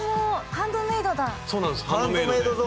ハンドメイドで。